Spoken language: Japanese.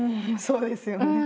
そうですよね。